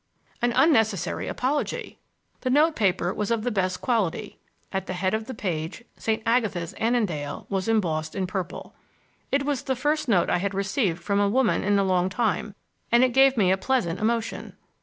An unnecessary apology! The note paper was of the best quality. At the head of the page "St. Agatha's, Annandale" was embossed in purple. It was the first note I had received from a woman for a long time, and it gave me a pleasant emotion.